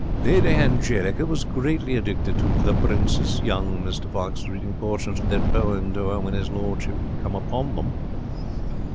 'Lady Angelica was greatly addicted to The Princess. Young Mr Knox was reading portions of that poem to her when his lordship come upon them.